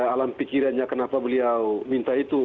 alam pikirannya kenapa beliau minta itu